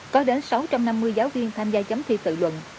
có đến sáu trăm năm mươi giáo viên tham gia chấm thi tự luận